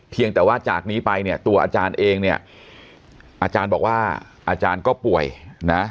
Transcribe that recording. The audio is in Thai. เพียงแต่ว่าจากนี้ไปเนี่ยตัวอาจารย์เองเนี่ยอาจารย์บอกว่าอาจารย์ก็ป่วยนะ